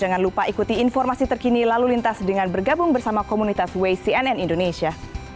jangan lupa ikuti informasi terkini lalu lintas dengan bergabung bersama komunitas waste cnn indonesia